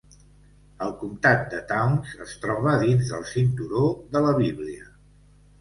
El comtat de Towns es troba dins del Cinturó de la Bíblia.